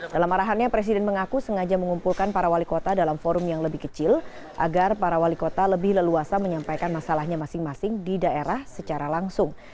dalam arahannya presiden mengaku sengaja mengumpulkan para wali kota dalam forum yang lebih kecil agar para wali kota lebih leluasa menyampaikan masalahnya masing masing di daerah secara langsung